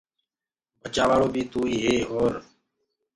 بچآوآݪو بي توئيٚ هي اور